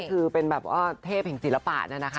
ก็คือเป็นแบบเทพแห่งศิลปะนะนะคะ